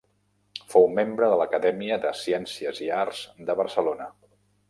Fou membre de l'Acadèmia de Ciències i Arts de Barcelona.